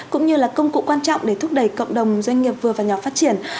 cũng như là công cụ quan trọng để thúc đẩy cộng đồng doanh nghiệp vừa và nhỏ phát triển